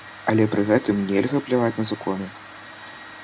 Але пры гэтым нельга пляваць на законы!